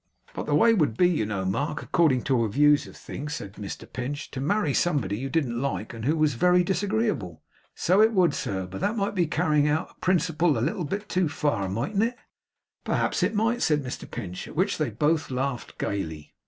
'But the way would be, you know, Mark, according to your views of things,' said Mr Pinch, 'to marry somebody you didn't like, and who was very disagreeable.' 'So it would, sir; but that might be carrying out a principle a little too far, mightn't it?' 'Perhaps it might,' said Mr Pinch. At which they both laughed gayly.